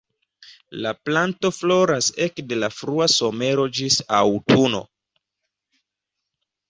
La planto floras ekde la frua somero ĝis aŭtuno.